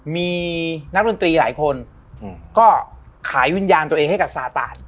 มีนักดนตรีหลายคนก็ขายวิญญาณตัวเองให้กับซาตาน